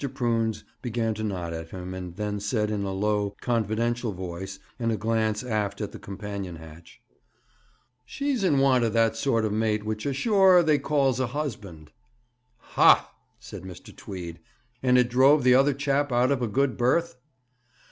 Prunes began to nod at him, and then said in a low, confidential voice, and a glance aft at the companion hatch: 'She's in want of that sort of mate which ashore they calls a husband.' 'Ha!' said Mr. Tweed; 'and it drove the other chap out of a good berth?'